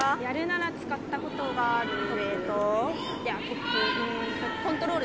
やるなら使ったことがあるウエイト。